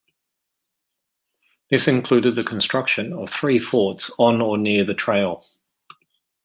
This included the construction of three forts on or near the trail.